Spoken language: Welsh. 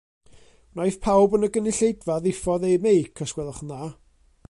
Wnaiff pawb yn y gynulleidfa ddiffodd eu meic os gwelwch yn dda.